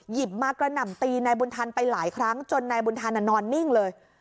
หยิบมากระหน่ำตีนายบุญทันไปหลายครั้งจนนายบุญธันนอนนิ่งเลย